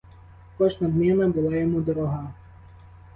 Кожна днина була йому дорога.